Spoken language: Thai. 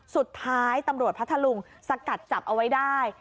สุดท้ายตำรวจพัทธลุงสกัดจับเอาไว้ได้